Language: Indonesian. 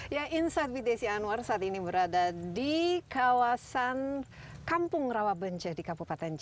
ya insight with desi anwar saat ini berada di kawasan kampung rawabencah di kabupaten